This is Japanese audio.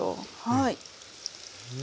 はい。